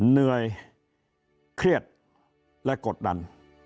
เหนื่อยเครียดและกดดัน